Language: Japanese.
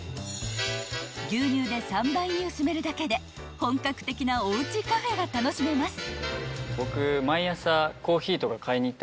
［牛乳で３倍に薄めるだけで本格的なおうちカフェが楽しめます］